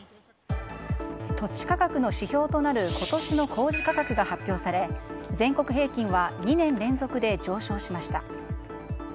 土地価格の指標となる今年の公示価格が発表され全国平均は２年連続で上昇しました。